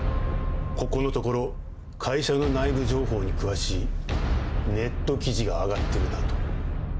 ここのところ会社の内部情報に詳しいネット記事が上がってるなと。